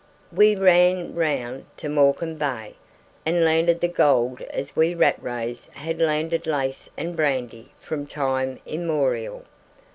"We ran round to Morecambe Bay, and landed the gold as we Rattrays had landed lace and brandy from time immemorial.